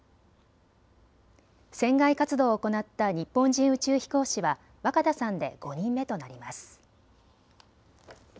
船外活動を行った日本人宇宙飛行士は若田さんで５人目となります。